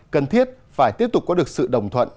cần thiết phải tiếp tục có được sự đồng thuận